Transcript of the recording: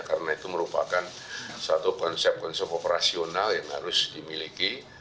karena itu merupakan satu konsep konsep operasional yang harus dimiliki